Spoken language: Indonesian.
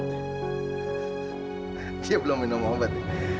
dia belum minum obat